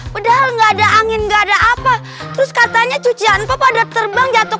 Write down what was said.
padahal nggak ada angin nggak ada apa terus katanya cucian pada terbang jatuh